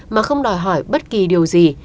mà không đòi hỏi bất kỳ điều gì